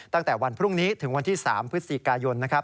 ตั้งแต่วันพรุ่งนี้ถึงวันที่๓พฤศจิกายนนะครับ